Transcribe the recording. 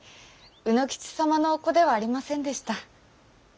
卯之吉様のお子ではありませんでした。